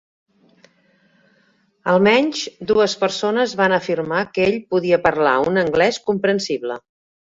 Almenys dues persones van afirmar que ell podia parlar un anglès comprensible.